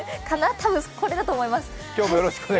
たぶんこれだと思います。